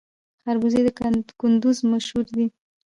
خربوزې د کندز مشهورې دي